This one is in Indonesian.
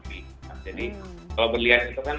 jadi kalau berlian itu kan